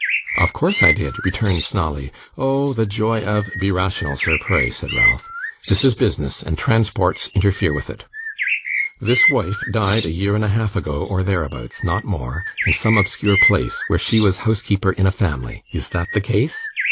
'Of course I did!' returned Snawley. 'Oh the joy of ' 'Be rational, sir, pray,' said Ralph. 'This is business, and transports interfere with it. This wife died a year and a half ago, or thereabouts not more in some obscure place, where she was housekeeper in a family. Is that the case?